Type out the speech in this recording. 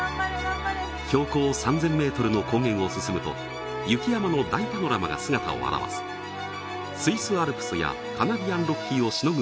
標高３０００メートルの高原を進むと雪山の大パノラマが姿を現すスイスアルプスやカナディアンロッキーをしのぐ